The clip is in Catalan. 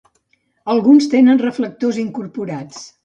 Alguns tenen reflectors incorporats.